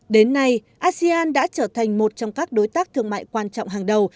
đến nay asean đã trở thành một trong các đối tác thương mại quan trọng hàng đầu